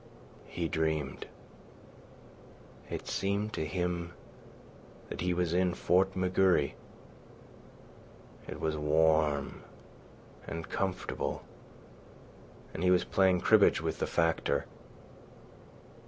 He dreamed. It seemed to him that he was in Fort McGurry. It was warm and comfortable, and he was playing cribbage with the Factor.